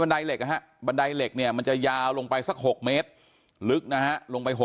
บันไดเหล็กบันไดเหล็กเนี่ยมันจะยาวลงไปสัก๖เมตรลึกนะลงไป